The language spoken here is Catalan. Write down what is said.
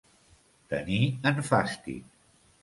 Tenir en fàstic.